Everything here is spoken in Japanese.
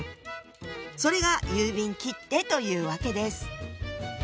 それが郵便切手というわけです。